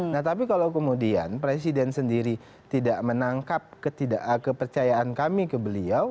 nah tapi kalau kemudian presiden sendiri tidak menangkap kepercayaan kami ke beliau